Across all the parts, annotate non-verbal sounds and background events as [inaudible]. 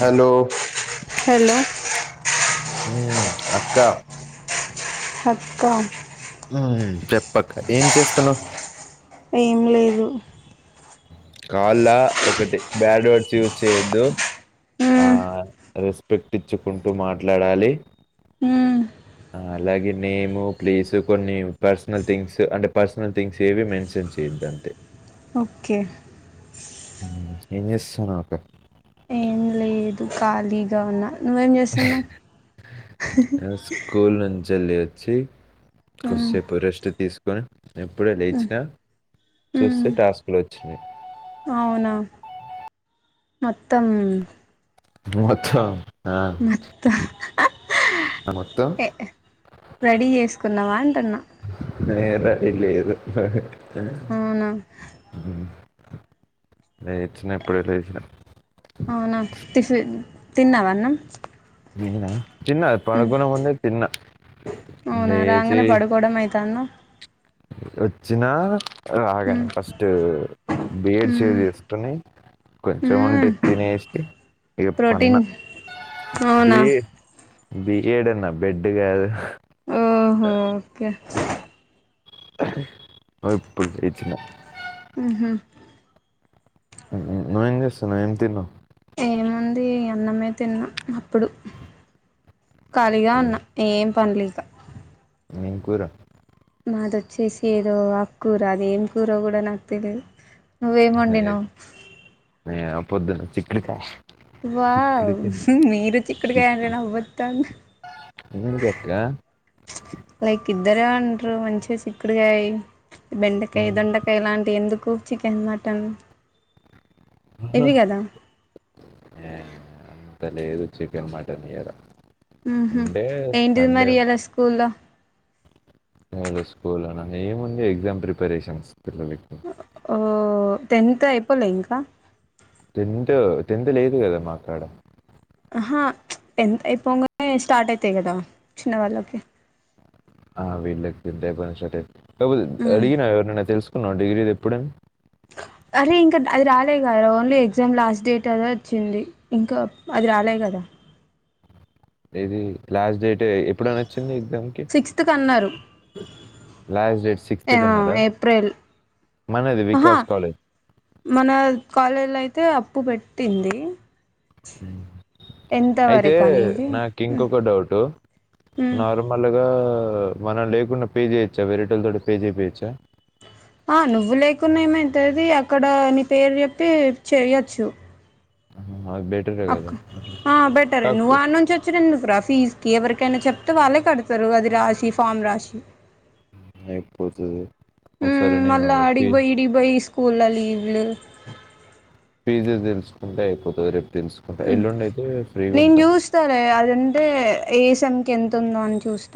Hello hello అక్కా హక్కా ఉమ్ చెప్పక్క ఏం చేస్తున్నావ్ ఏం లేదు కాల్లా ఒకటి బ్యాడ్ వర్డ్స్ యూజ్ చేయొద్దు ఆ మ్మ్ రెస్పెక్ట్ ఇచ్చుకుంటూ మాట్లాడాలి మ్మ్ అలాగే నేము ప్లేసు కొన్ని పర్సనల్ థింగ్స్ అంటే పర్సనల్ థింగ్స్ ఏవి మెన్షన్ చేయొద్దు అంతే ఓకే ఉమ్ ఏం చేస్తున్నావ్ అక్క ఏం లేదు ఖాళీగా ఉన్న నువ్వు ఏం చేస్తున్నావ్ స్కూల్ నుంచి వెళ్ళి వచ్చి మ్మ్ కొద్దిసేపు రెస్ట్ తీసుకొని ఎప్పుడే లేచినా చూస్తే మ్మ్ టాస్క్లు వచ్చినాయి అవునా మొత్తం మొత్తా ఆ మొత్తం నమత్త ఏ రెడీ చేసుకున్నావా అంటున్నా ఇలి ఇదు అవునా న ఇచ్చిన ఎప్పుడే లేసినాను అవునా తఫ తిన్నావాన్న మీదా తిన్న పడుకునే ముందే తిన్న అ అవునా రాంగనే పడుకోవడం అయితు అన్న వచ్చినా మ్మ్ రాగానే ఫస్ట్ బిఎడ్ చే మ్మ్ చేసుకుని కొంచెం ఉంటే మ్మ్ తినేసి ఇక ప్రోటీన్ పన్నా అవునా బిఏ బిఏడ్ ఎన్న బెడ్గా ఓహో ఓకే ఇప్పుడు చేచ్చిన ఆ హా నువ్వవు ఏం చేస్తా నువ్ ఏం తిన్నావు ఏముంది అన్నమే తిన్నాం అప్పుడు ఖాళీగా ఉన్న ఏం పంలిగా నింకూరు మాదిొచ్చేసి ఏదో ఆ కూూర అది ఏం కూర కూడా నాకు తెలిదు నువ్వేమండి ను పొద్దున్న చిక్కుడికాయ వా మీరు చిక్కడికాయంటే అవ్వతాను చిక్కుడు అక్క లైక్ ఇద్దరే ఉంటరు మంచిగా చిక్కుడుగాయి బెండకాయ ఉమ్, దొండకాయ లాంటి ఎందుకు కూ చికెన్ మటన్ ఆహా. ఇవ కదా ఏ, అంత లేదు చికెన్ మటన్ర హ ఏంటిది మరి అాల స్కూల్లో హలో స్కూల్ ఏముంది ఎగ్జామ్ ప్రిపరేషన్స్ పల వక్కు ఓ టెన్త్ అయిపోలే ఇంకా టెంత్ టెన్త్ లేదుగదా మాకాడ ఆహా ప్చ్ టెన్త్ అయిపోంగానే స్టార్ట్ అయితాయి గదా చిన్నవాళ్ళకి ఆ వీళ్ళే [unintelligible] అబ మ్మ్ అడిగినా ఎవరిన్న తెలుసు నా డిగ్రీది ఇప్పుడే అరే ఇంకా అది రాలేదు కదరా ఓన్లీ ఎగ్జామ్ లాస్ట్ డేట్ అదే వచ్చింది, ఇంకా అది రాలే కదా. ఏది లాస్ట్ డేట్ టే ఎప్పుడనచ్చింది ఎగ్జామ్ కి సిక్స్త్ అన్నారు లాస్ట్ డేట్ సిక్స్త్ ఆ కన్నారా ఏప్రిల్ మనది ఆహా వికాస్ కాలేజ్ మన కాలేజ్ లై తే అప్పు పెట్టింది హుమ్ ఎంత అయితే వరకు అనేది నాకు ఇంకొక డౌట్ మ్మ్ నార్మల్గా మనం లేకున్న పే చేయచ్చా వేరే వాల్ తోటి పే చేపియొచ్చా ఆ నువ్వు లేకున్నా ఏమైతది అక్కడ నీ పేరు చెప్పి చెయ్యొచ్చు. ఆ అ బెటరే నువ్ కాకపో ఆనుంచి అచ్చినావ్ ఎందుకు రా ఫీజ్ కి ఎవరికి ఎవరికైనా చెప్తే వాళ్ళే కడతారు అది రాసి ఫామ్ రాసి లేకపోతది ఒకసారి నేను ఒపి కూల లీవ్ లు ఇదే తెలుసుకుంటే ఆయిపోతది రేపు తెలుసుకుంటా ఎల్లుండి అయితే ఫ్రీగా ఉంటాం అంటే ఈ సెమ్ కెంతుందో చూస్త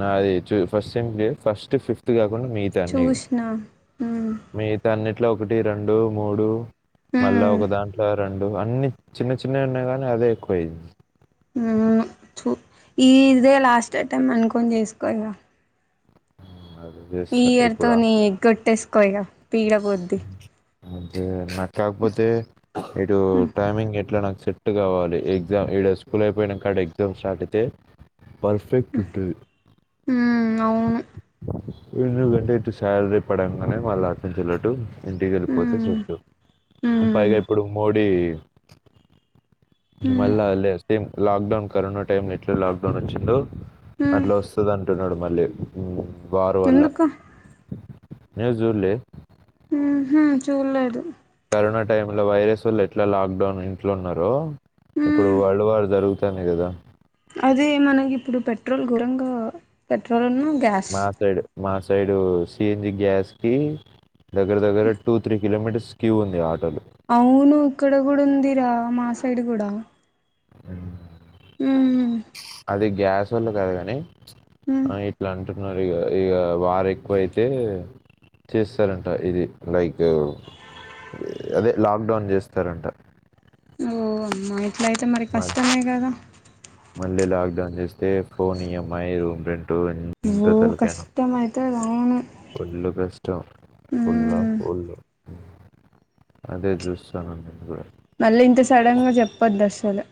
నాది చూ ఫస్ట్ సెమ్ కి ఫస్ట్ ఫిఫ్త్ కాకోకుండ మిగతా అన్నీవి చూసిన ఉమ్ మిగతా అన్ని ఇట్లా ఒకటి రెండు మూడు మళ్ళా ఉమ్ ఒక దాంట్లో రెండు అన్ని చిన్న చిన్నవి ఉన్నాయ్ గానీ అదే ఎక్కువయింది హుమ్ చూ ఇదే లాస్ట్ అటెంప్ట్ అనుకొని చేస్కో ఇగా అది ఈ చేస్తా ఇయర్ ఇప్పుడు తోని గొట్టేస్ కో ఇగా పీడ పోయిది ది [unintelligible] కాకపోతే ఇటు టైమింగ్ ఎట్లా నాకు సెట్ సెట్ కావాలి ఎగ్జామ్ ఈడ స్కూల్ అయిపోయినంకాడ ఎగ్జామ్ స్టార్ట్ అయితే పర్ఫెక్ట్ ఉంటది ఉమ్ అవును నుకంటే ఇటు శాలరీ పడంగానే వాళ్ళు అచించలట్టు ఇంటికి వెళ్ళిపోతే ఉమ్ సెట్టు పైగా ఉమ్ ఇప్పుడు మోడీ ఉమ్ మళ్ళా ఆలు లేస్తే లాక్డౌన్ కరోనా టైం ఎట్లా లాక్డౌన్ వచ్చిందో ఉమ్ అట్లా వస్తుదన్ అంటున్నాడు మళ్ళీ వారు వల్ల ఎందుకు న్యూస్ చూల్లే ఉహు చూడలేదు కరోనా టైమ్ లో వైరస్ వాళ్ళు ఎట్లా లాక్డౌన్ ఇంట్లో ఉన్నారో ఇప్పుడు ఉమ్ వరల్డ్ వార్ జరుగుతు టానే కదా అదే మనకి ఇప్పుడు పెట్రోల్ ఘోరంగా పెట్రోల్ ఉన్న మా సైడు మాస్ సైడు సిఎన్జి గ్యాస్ కి దగ్గర దగ్గర టు త్రీ కిలోమీటర్స్ క్యూ ఉంది ఆటోకి అవును ఇక్కడ కూడా ఉందిరా మా సైడ్ కూడా అ ఉమ్ అది గ్యా అసలు కాదు కానీ ఉమ్ ఆ ఎట్లా అన్నారు ఇ ఇగ వారు ఎక్కువయితే చేస్తారంట ఇది లైక్ అదే లాక్డౌన్ చేస్తారంట ఓ అమ్మోయ్ ఇట్లాయితే మరి మళ్- కష్టమే కదా మళ్ళీ లాక్డౌన్ చేస్ చేసుకొని ఈఎంఐ లు ఉ కష్టం అయితదా ఉన్న పోలు అదే చూస్తాన్న నేను కూడా మళ్ళీ ఇంత సడన్ గా చెప్పద్దు అసలు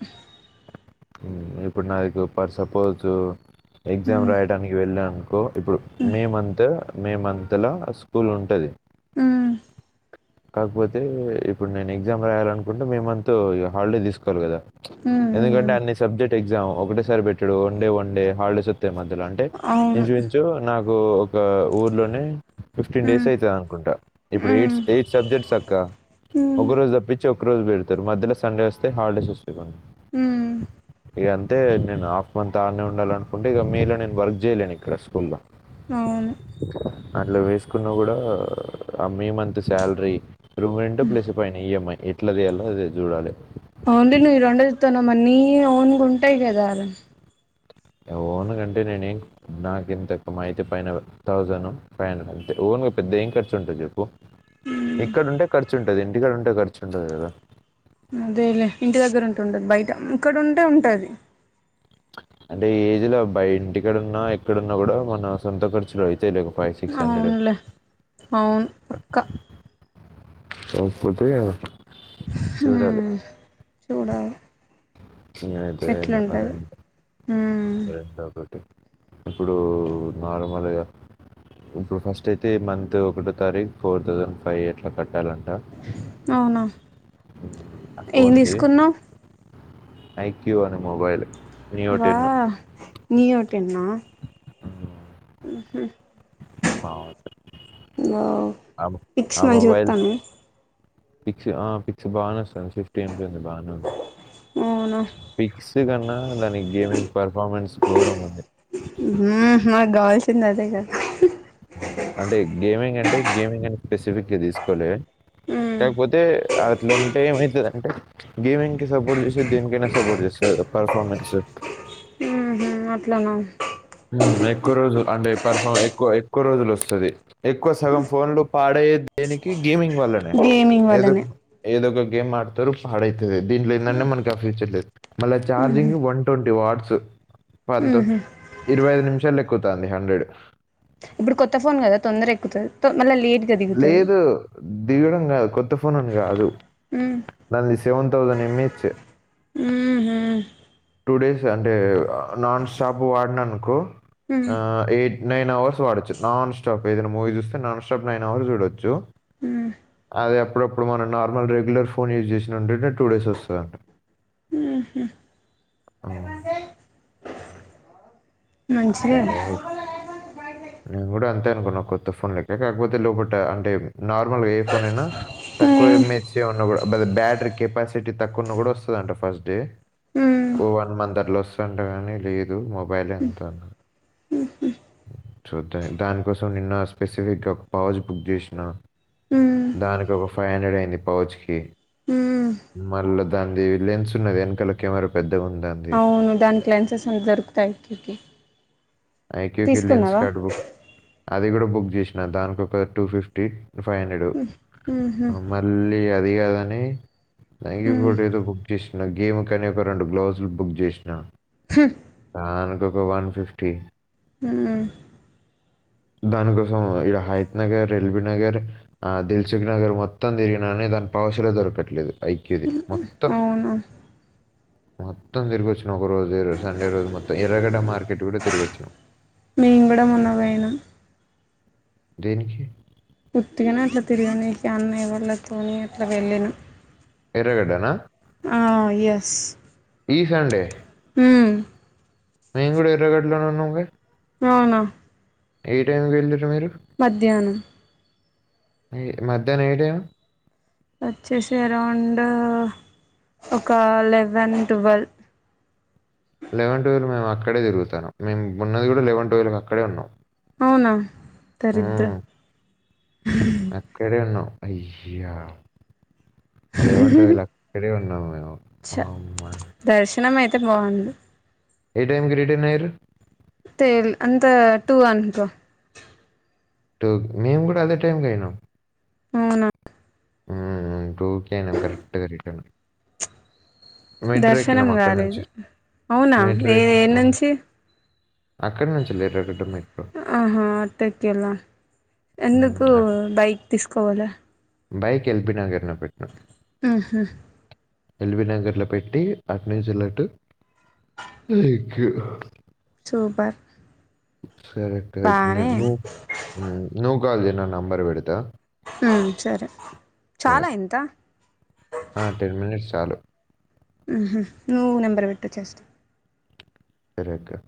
ఉ ఇప్పుడు నాకు పర్ సపోజు ఎగ్జామ్ ఉమ్ రాయడానికి వెళ్ళానుకో ఇప్పుడు మే మంత్ మే మంత్లో స్కూల్ ఉంటది ఉమ్ కాకపోతే ఇప్పుడు నేను ఎగ్జామ్ రాయాలి అనుకుంటే మేమంతా హాలిడే తీసుకోవాలి కదా ఉమ్ ఎందుకంటే ఉమ్ అన్ని సబ్జెక్ట్ ఎగ్జామ్ ఒకటేసారి పెట్టడు ఓన్లీ వన్ డే హాలిడేస్ వస్తాయి మధ్యలో అవును ఇంచు మించు నాకు ఒక ఊర్లోనే ఫిఫ్టీన్ డేస్ ఉమ్ అయితది అనుకుంటా ఇప్పుడు ఉమ్ ఎయిట్స్ ఎయిట్ సబ్జెక్ట్స్ అక్క ఉమ్ ఒక రోజు తప్పించి ఒక రోజు పెడతారు మధ్యలో సండే వస్తే హాలిడేస్ వస్తే ఉమ్ ఇక అంతే నేను హాఫ్ మంత్ ఆనే ఉండాలనుకుంటే ఇక మీలో నేను వర్క్ చేయలేను ఇక్కడ స్కూల్లో అవును అట్లా వేసుకున్నా కూడా ఆ మేమంత శాలరీ రూమ్ రెంట్ ప్లస్ పైన ఈఎంఐ ఎట్లా తీయాలో అది చూడాలి ఓన్లీ నువ్వు ఈ రెండు చెపుతున్నావ్ మరి ఓన్ గా ఉంటాయి కదా నా ఓన్ గా అంటే నేనే నాకెంత ఒక మించి పైన థౌసండ్ ఫ్యాన్ అంతే ఏం ఖర్చు ఉంటది చెప్పు ఇక్కడుంటే ఖర్చు ఉంటది ఇంటికాడ ఉంటే ఖర్చు ఉండదు కదా అదేలే ఇంటి దగ్గర ఉంటే ఉండదు బయట ఇక్కడ ఉంటే ఉంటది అదే ఏజ్ లో అబ్బాయి ఇంటిక్కడన్నా ఎక్కడన్నా కూడా మన సొంత ఖర్చులు అయ్యి తెలుగు ఫైవ్ సిక్స్ హండ్రెడ్ అవునులే అవును పక్క పోకపోతే మ్ చూడాలి [unintelligible] ఎట్లుంటది హ్మ్ రెండు ఒకటే ఇప్పుడు నార్మల్గా ఇప్పుడు ఫస్ట్ అయితే మంత్ ఒకటో తారీఖు ఫోర్ థౌసండ్ ఫైవ్ అట్లా కట్టాలంట అవునా ఏం తీసుకున్నావ్ ఐ క్యువ్ అను మొబైల్ [unintelligible] న్యూ [unintelligible] ఆ వావ్ పిక్స్ ఆ మంచిగ మొబైల్ వస్తున్నాయా పిక్స్ ఆ పిక్స్ బాగానే వస్తుంది ఫిఫ్టీ ఏం బి ఉంది బాగానే ఉంది అవునా ఫిక్స్ కన్నా దాని గేమింగ్ పర్ఫార్మెన్స్ ఘోరంగా ఉంది నాకు కావాల్సింది అదే కదా అంటే గేమింగ్ అంటే గేమింగ్ అని స్పెసిఫిక్గా తీసుకోలేదు హ్మ్ కాకపోతే అట్లా ఉంటే ఏమవుతుంది అంటే గేమింకి సపోర్ట్ చేస్తే దేనికైనా సపోర్ట్ చేస్తాది గా పర్ఫార్మెన్స్ అట్ల నా ఎక్కువ రోజులు అంటే పర్ఫార్ ఎక్కువ ఎక్కువ రోజులు వస్తుది ఎక్కువ సగం ఫోన్లు పాడయ్యే దేనికి గేమింగ్ వల్లనే గేమింగ్ ఏదో వల్లనే ఏదో ఒక గేమ్ ఆడతారు పాడైతది దీంట్లో ఏంటంటే మనకి ఆ ఫ్యూచర్ లేదు మళ్ళీ హ్మ్ హు చార్జింగ్ వన్ ట్వంటీ వాట్స్ పంత్ హ్మ్ హు ఇరవై ఐదు నిమిషాలు ఎక్కుతాంది హండ్రెడ్ ఇప్పుడు కొత్త ఫోన్ కదా తొందర ఎక్కుతుంది లేదు దిగడం కాదు కొత్త ఫోన్ అని కాదు హ్మ్ నాది సెవెన్ థౌసండ్ ఎంహెచ్ హ్మ్ హు డేస్ అంటే నాన్ స్టాప్ వాడిననుకో హ్మ్ ఆ ఏ నైన్ అవర్స్ వాడచ్చు నాన్ స్టాప్ ఏదైనా మూవీ చూస్తే నాన్ స్టాప్ నైన్ అవర్స్ చూడొచ్చు హ్మ్ అది అప్పుడప్పుడు మనం నార్మల్ రెగ్యులర్ ఫోన్ యూజ్ చేసిన ఉంటడింటే టూ డేస్ వస్తదండి అ మంచిదే నేను కూడా- నేను కూడా అంతే అనుకున్నా కొత్త ఫోన్ లెక్క కాకపోతే లోపల అంటే నార్మల్ గా ఏ ఫోన్ అయినా తక్కువ ఉమ్, మెజ్ అట్లే ఉండకూడదు కూడా బ్యాటరీ కెపాసిటీ ఉమ్, చూద్దాం దానికోసం నిన్న స్పెసిఫిక్గా ఒక పౌచ్ బుక్ చేసిన ఉమ్, దానికి ఒక ఫైవ్ హండ్రెడ్ అయింది పౌచ్ కి ఉమ్. మళ్ళా దాంది లెన్స్ ఉన్నది వెనకాల కెమెరా పెద్ అవును దాని క్లాన్సెస్ అంత దరుకుతాయికి ఐక్యూకి లెన్స్ కట్ బుక్ అది కూడా బుక్ చేసినా దానికి ఒక టూ ఫిఫ్టీ ఫైవ్ హండ్రెడ్ మళ్ళీ అ అది కాదని నయీ ఫోటోతో భుక్ చేస్ గేమ్ కని ఒక రెండు గ్లౌస్లు బుక్ చేసినా తాండు ఓ వన్ ఫిఫ్టీ మ్మ్ దానికోసం ఇడ హైత్ నగర్ ఎల్బీ నగర్ ఆ దిల్సుుక్ నగర్ మొత్తం తిరిగిన దాని పౌచ్లు దొరకట్లేదు ఐక్యది మొత్తం అవునా మొత్తం తిరగచ్ ఒక రోజు సండే రోజు మొత్తం ఎర్రగడ్డ మార్కెట్ కూడా తిరుగోచ్చాను మే కూడ ఉన్నవయినా దేనికి పర్తిగానే అట్లా తిరిగ న అన్నయ్య వల్ల తని అట్లా వెళ్ళను ఎర్రగడ్డనా ఆ ఎస్ ఈ సండే మ్మ్ మేము కూడా ఎర్రగడ్డలోనే ఉన్నాంగా అవునా ఈ టైమ్ ఇల్ మధ్యానం ఈ మధ్యానం ఏ టైమ్ వచ్చేసెయ్ అరౌండూ ఒక లెవెన్ టువల్ లెవెన్ టువల్ మేమ్ అక్కడే తిగుతన్నాం మేమున్నది కూడా లెవెన్ ట్వెల్ అక్కడే ఉన్నాం అవునా దరిద్ర హ్మ్. అక్కడే ఉన్నావ్ ఐయ్యా లెవన్ టువల్ అక్కడే ఉన్నా [inaudible] చ దర్శనం అయితే బాగుంది ఏ టైంకి రిటన్ అయ్యారు ఏల్ అంతా టూ అనుకో టూ మేమ్ కూడా అదే టైం కయినాం అవునా ఊమ్ టూకే నేం కరెక్టుగ రిటను దర్శనం కాలేదు అవునా మెట్రో ఏ ఏ ఎక్కి హ్మ్. ఏడ్నుంచి అక్కడి నుంచి ఎర్రగడ్డ మెట్రో. ఆహా అటుకెళ్ళా హ్మ్. ఎందుకు అక్ బైక్ తీస్కొపోలె బైక్ ఎల్పి నగర్ నే పెట్నమ్ ఆ ఎల్బ నగర్ లో పెట్టి అట్నించలట్ ఇ సూపర్ సరే బానే [inaudible] నువ్ కాల్ చెయ్ నా నంబర్ పెడతా ఉమ్ సరే సరే. చాలా ఇంత ఆ! మినిట్స్ చాలు. ఊహు నువ్ నెంబర్ పెట్టుచ్చస్ట్ కరెక్టా